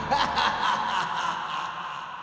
ハハハハハ！